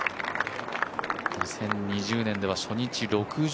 ２０２０年では初日、６５。